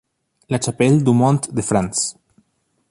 La Chapelle-du-Mont-de-France